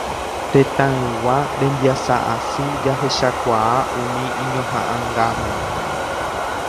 Tetãygua rembiasa asy jahechakuaa umi iñohaʼãngáme.